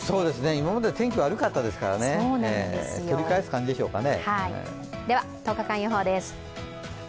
今までは天気が悪かったですから、取り返す感じでしょうかね。